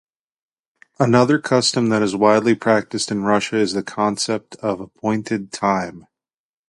Another custom that is widely practiced in Russia is the concept of appointed time.